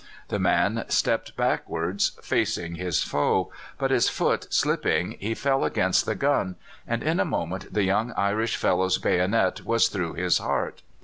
"The man stepped backwards, facing his foe; but his foot slipping, he fell against the gun, and in a moment the young Irish fellow's bayonet was through his heart.